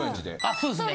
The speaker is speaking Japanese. そうですね。